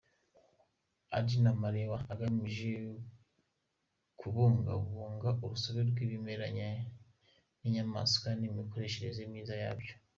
Edna Molewa, agamije kubungabunga urusobe rw’ibimera n’inyamaswa n’imikoreshereze myiza yabyo.